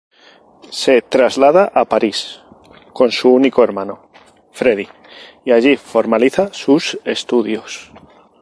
Se traslada a París con su único hermano, Freddy, y allí formaliza sus estudios.